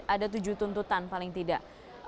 ada tujuh tuntutan paling tidak